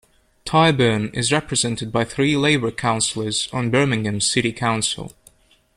Tyburn is represented by three Labour councillors on Birmingham City Council.